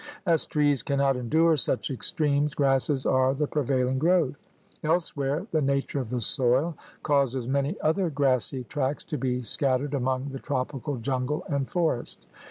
As trees cannot endure such extremes, grasses are the prevaihng growth. Elsewhere the nature of the soil causes many other grassy tracts to be scattered among the tropical jungle and forest.